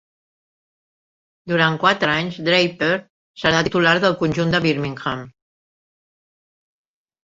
Durant quatre anys, Draper serà titular del conjunt de Birmingham.